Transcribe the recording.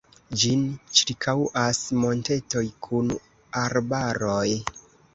Ĝin ĉirkaŭas montetoj kun arbaroj.